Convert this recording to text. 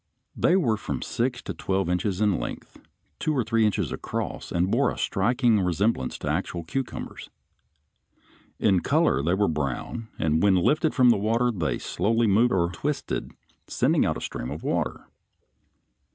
They were from six to twelve inches in length, two or three inches across, and bore a striking resemblance to actual cucumbers. In color they were brown, and when lifted from the water they slowly moved or twisted, sending out a stream of water.